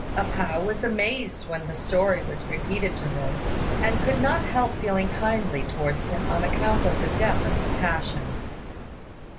A pao was amazed when the story was repeated to her, and could not help feeling kindly towards him on account of the depth of his passion.